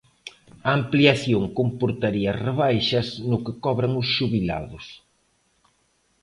A ampliación comportaría rebaixas no que cobran os xubilados.